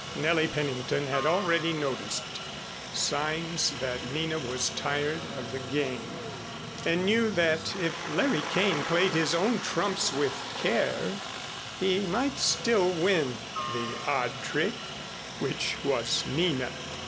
Nellie Pennington had already noticed signs that Nina was tired of the game and knew that if Larry Kane played his own trumps with care, he might still win the odd trick, which was Nina.